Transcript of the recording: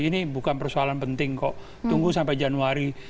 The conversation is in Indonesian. ini bukan persoalan penting kok tunggu sampai januari